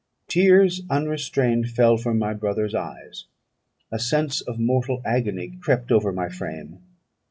Tears, unrestrained, fell from my brother's eyes; a sense of mortal agony crept over my frame.